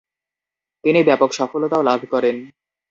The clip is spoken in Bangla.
তিনি ব্যাপক সফলতাও লাভ করেন।